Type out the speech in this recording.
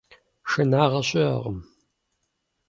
Шынагъэ щыӀэкъым.